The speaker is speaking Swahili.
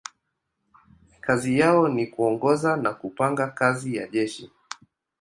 Kazi yao ni kuongoza na kupanga kazi ya jeshi.